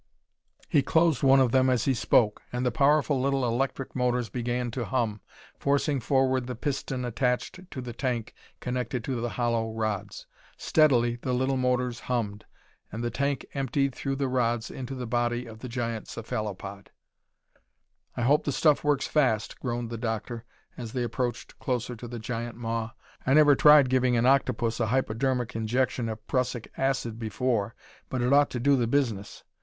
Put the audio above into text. He closed one of them as he spoke, and the powerful little electric motors began to hum, forcing forward the piston attached to the tank connected to the hollow rods. Steadily the little motors hummed, and the tank emptied through the rods into the body of the giant cephalopod. "I hope the stuff works fast," groaned the doctor as they approached closer to the giant maw. "I never tried giving an octopus a hypodermic injection of prussic acid before, but it ought to do the business.